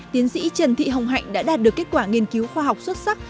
tiến sĩ trần thị hồng hạnh đã đạt được kết quả nghiên cứu khoa học xuất sắc